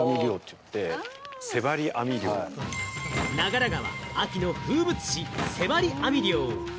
長良川の秋の風物詩、瀬張り網漁。